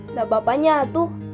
nggak apa apanya tuh